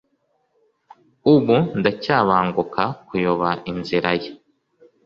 n'ubu ndacyabanguka kuyoba inzira ye;